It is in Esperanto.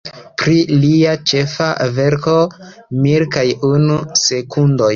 Pri lia ĉefa verko, Mil kaj unu sekundoj.